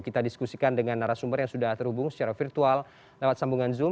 kita diskusikan dengan narasumber yang sudah terhubung secara virtual lewat sambungan zoom